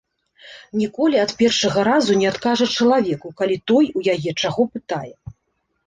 Ніколі ад першага разу не адкажа чалавеку, калі той у яе чаго пытае.